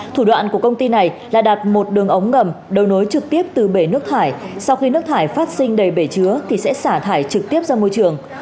thủ đoạn của công ty này là đặt một đường ống ngầm đầu nối trực tiếp từ bể nước thải sau khi nước thải phát sinh đầy bể chứa thì sẽ xả thải trực tiếp ra môi trường